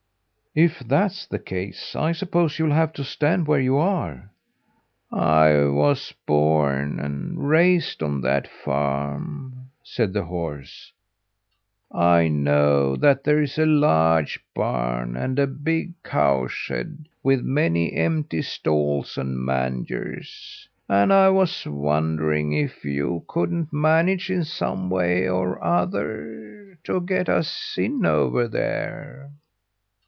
"If that's the case, I suppose you'll have to stand where you are." "I was born and raised on that farm," said the horse; "I know that there is a large barn and a big cow shed, with many empty stalls and mangers, and I was wondering if you couldn't manage in some way or other to get us in over there."